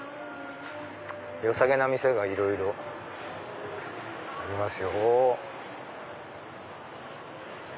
よさげな店がいろいろありますよ。